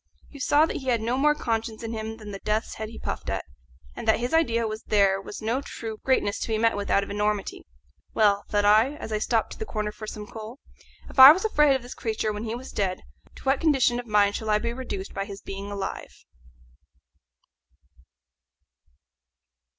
You saw that he had no more conscience in him than the death's head he puffed at, and that his idea was there was no true greatness to be met with out of enormity. Well, thought I, as I stepped to the corner for some coal, if I was afraid of this creature when he was dead, to what condition of mind shall I be reduced by his being alive?